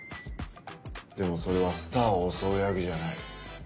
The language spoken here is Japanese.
でもそれはスターを襲う役じゃない。